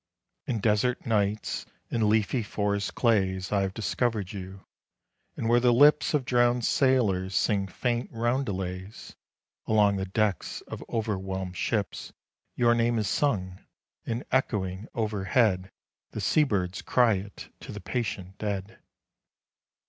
In desert nights and leafy forest clays I have discovered you, and where the lips Of drowned sailors sing faint roundelays Along the decks of overwhelmed ships Your name is sung, and echoing overhead The sea birds cry it to the patient dead.